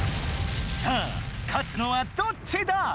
さあ勝つのはどっちだ！